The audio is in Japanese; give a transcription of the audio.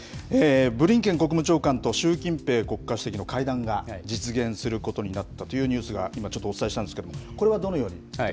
ブリンケン国務長官と習近平国家主席の会談が実現することになったというニュース、今、ちょっとお伝えしたんですけれども、これはどのように。